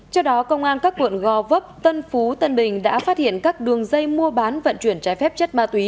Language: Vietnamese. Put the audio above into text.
trước đó công an các quận gò vấp tân phú tân bình đã phát hiện các đường dây mua bán vận chuyển trái phép chất ma túy